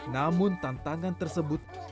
namun tantangan tersebut tidak terlalu banyak